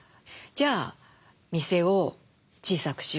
じゃあ店を小さくしようって。